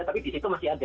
tapi di situ masih ada